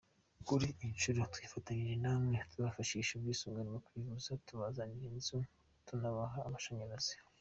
Kuri iyi nshuro twifatanyije namwe tubafashisha ubwisungane mu kwivuza, tubasanira inzu tunabaha amashanyarazi.